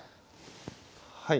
はい。